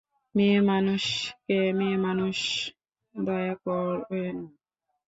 মেয়েমানুষকে মেয়েমানুষ দয়া করে না।